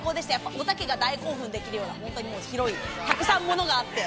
おたけが、大興奮できるような広いたくさんものがあって。